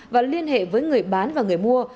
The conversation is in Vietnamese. và liên hệ với người bán và người mua